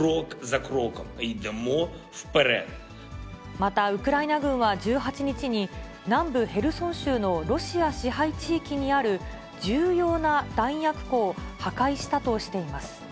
またウクライナ軍は１８日に、南部ヘルソン州のロシア支配地域にある重要な弾薬庫を破壊したとしています。